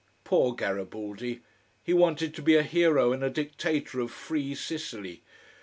Poor Garibaldi! He wanted to be a hero and a dictator of free Sicily.